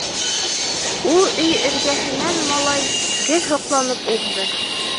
Ул өй эргәһенән малай гел һоҡланып уҙҙы.